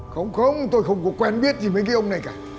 không không tôi không có quen biết gì với cái ông này cả